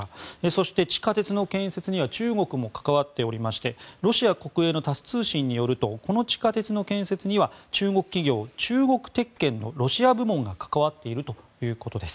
そして、地下鉄の建設には中国も関わっておりましてロシア国営のタス通信によるとこの地下鉄の建設には中国企業、中国鉄建のロシア部門が関わっているということです。